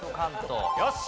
よし！